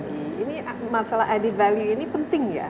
ini masalah added value ini penting ya